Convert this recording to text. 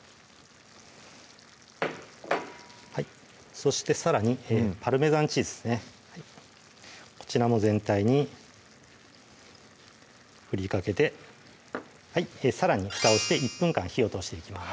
そしてさらにパルメザンチーズですねこちらも全体に振りかけてさらに蓋をして１分間火を通していきます